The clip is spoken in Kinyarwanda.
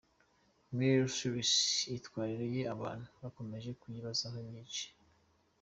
Miley Cyrus imyitwarire ye abantu bakomeje kuyibazaho byinshi.